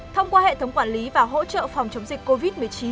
thông qua hệ thống quản lý và hỗ trợ phòng chống dịch covid một mươi chín